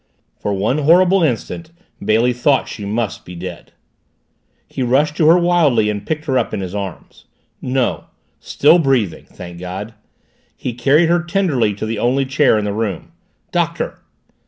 For one horrible instant Bailey thought she must be dead. He rushed to her wildly and picked her up in his arms. No still breathing thank God! He carried her tenderly to the only chair in the room. "Doctor!"